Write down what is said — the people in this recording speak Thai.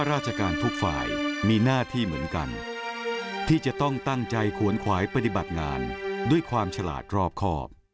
ราชการทุกฝ่ายมีหน้าที่เหมือนกันที่จะต้องตั้งใจขวนขวายปฏิบัติงานด้วยความฉลาดรอบครอบ